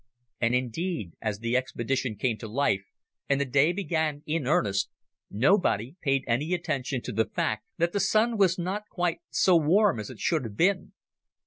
And, indeed, as the expedition came to life, and the day began in earnest, nobody paid any attention to the fact that the Sun was not quite so warm as it should have been.